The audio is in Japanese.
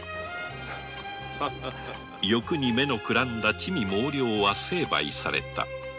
欲に目のくらんだ悪党どもは成敗された。